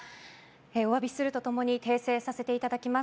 お詫びすると共に訂正させていただきます。